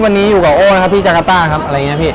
วันนี้อยู่กับโอ้นะครับพี่จักรต้าครับอะไรอย่างนี้พี่